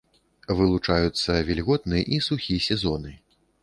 Вылучаюцца вільготны і сухі сезоны.